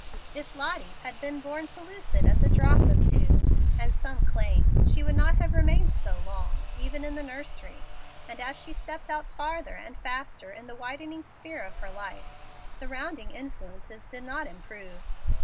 If Lottie had been born pellucid as a drop of dew, as some claim, she would not have remained so long, even in the nursery, and as she stepped out farther and faster in the widening sphere of her life, surrounding influences did not improve.